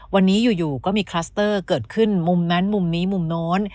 วันนี้อยู่ก็มีคลัสเตอร์เกิดขึ้นมุมนั้นมุมนี้มุมโน้น